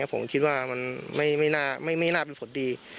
ผมคิดว่ามันไม่น่าเป็นผลดี